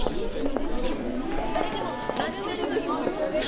あれでも。